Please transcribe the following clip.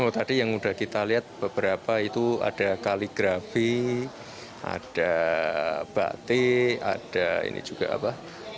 tadi yang udah kita lihat beberapa itu ada kaligrafi ada batik ada ini juga apa